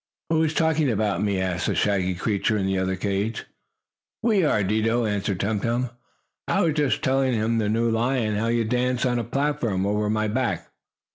"Who is talking about me?" asked the shaggy creature in the other cage. "We are, Dido," answered Tum Tum. "I was just telling the new lion how you dance on a platform over my back."